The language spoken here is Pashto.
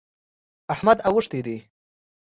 احمد اوښتی دی.